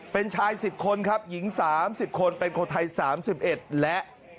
เป็นชายสิบคนครับหญิงสามสิบคนเป็นคนไทยสามสิบเอ็ดและ